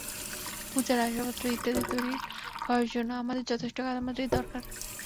পূজার আসবাবপত্র ইত্যাদি তৈরি করার জন্য আমাদের যথেষ্ট কাদামাটি দরকার।